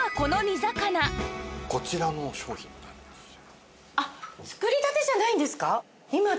こちらの商品なんですよ。